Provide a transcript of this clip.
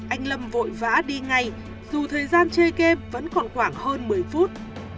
anh lâm vội vã đi ngay dù thời gian chơi game vẫn còn khoảng hơn một mươi phút